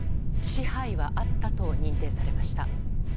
支配はあったと認定されました。